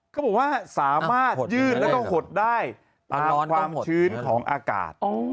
เขาบอกว่าสามารถยื่นแล้วก็หดได้ตามความชื้นของอากาศ